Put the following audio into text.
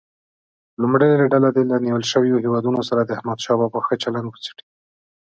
لومړۍ ډله دې له نیول شویو هیوادونو سره د احمدشاه بابا ښه چلند څېړي.